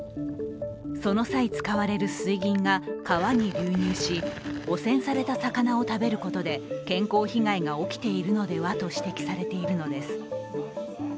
その際使われる水銀が川に流入し、汚染された魚を食べることで健康被害が起きているのではと指摘されているのです。